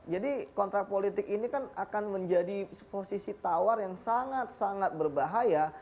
jadi kontrak politik ini kan akan menjadi posisi tawar yang sangat sangat berbahaya